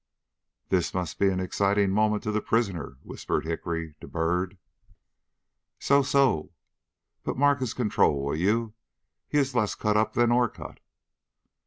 "This must be an exciting moment to the prisoner," whispered Hickory to Byrd. "So, so. But mark his control, will you? He is less cut up than Orcutt."